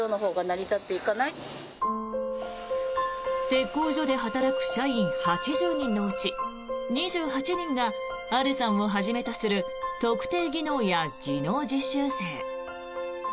鉄工所で働く社員８０人のうち２８人がアルさんをはじめとする特定技能や技能実習生。